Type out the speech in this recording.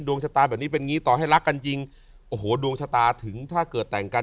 ชะตาแบบนี้เป็นงี้ต่อให้รักกันจริงโอ้โหดวงชะตาถึงถ้าเกิดแต่งกัน